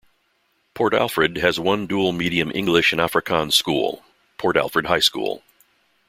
Port Alfred has one dual medium English and Afrikaans school, Port Alfred High School.